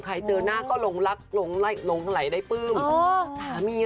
ใครเจอหน้าก็หลงรักหลงไหล่ได้ปื้ม